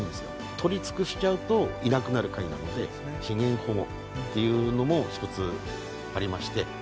取り尽くしちゃうといなくなる貝なので資源保護っていうのもひとつありまして。